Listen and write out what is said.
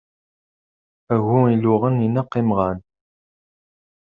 Agu iluɣen ineqq imɣan.